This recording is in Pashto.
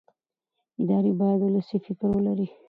ادارې باید ولسي فکر ولري